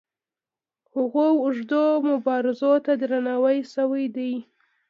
هغو اوږدو مبارزو ته درناوی شوی دی.